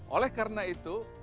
oleh karena itu